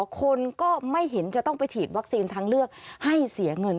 คนก็ไม่เห็นจะต้องไปฉีดวัคซีนทางเลือกให้เสียเงิน